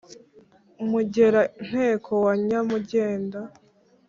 mugera nteko wa nyamugenda